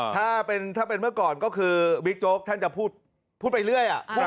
ถ้าเป็นถ้าเป็นเมื่อก่อนก็คือบิ๊กโจ๊กท่านจะพูดพูดไปเรื่อยอ่ะ